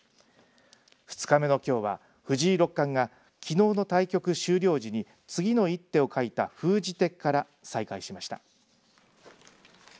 ２日目のきょうは、藤井六冠がきのうの対局終了時に次の一手を書いた封じ手から再開しました。